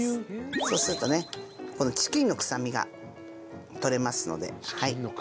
そうするとねこのチキンの臭みが取れますので。